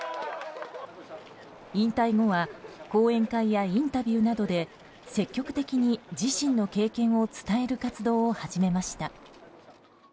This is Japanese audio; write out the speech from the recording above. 引退後は講演会やインタビューなどで積極的に自身の経験を伝える活動を始めました。